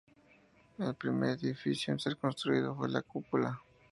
El primer edificio en ser construido fue la cúpula.